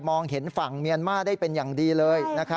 เห็นฝั่งเมียนมาร์ได้เป็นอย่างดีเลย